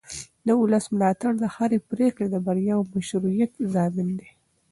د ولس ملاتړ د هرې پرېکړې د بریا او مشروعیت ضامن دی